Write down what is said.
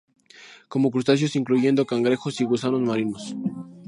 Come crustáceos, incluyendo cangrejos, y gusanos marinos.